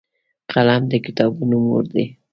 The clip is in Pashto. قلم د کتابونو مور دی